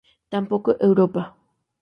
Tampoco Europa".